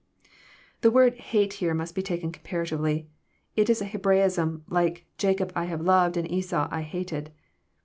The word '' hate " here must be taken comparatively. It is a Hebraism, like '* Jacob have I loved, and Esau have I hated.